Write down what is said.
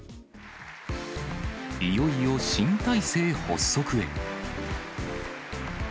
いよいよ新体制発足へ。